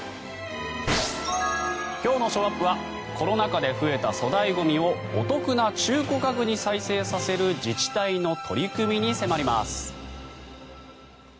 今日のショーアップはコロナ禍で増えた粗大ゴミをお得な中古家具に再生させる自治体の取り組みに迫ります。